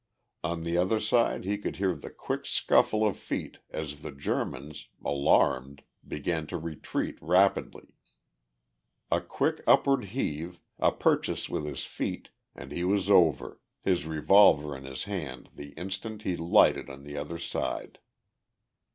On the other side he could hear the quick scuffle of feet as the Germans, alarmed, began to retreat rapidly. A quick upward heave, a purchase with his feet, and he was over, his revolver in his hand the instant he lighted on the other side.